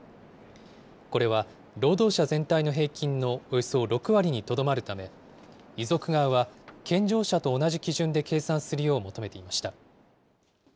これは、労働者全体の平均のおよそ６割にとどまるため、遺族側は健常者と同じ基準で計算するよう求めていました。